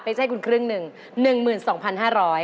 ไม่ใช่คุณครึ่งหนึ่ง๑๒๕๐๐บาท